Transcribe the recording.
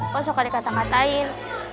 kau suka dikatakan